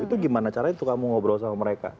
itu gimana caranya tuh kamu ngobrol sama mereka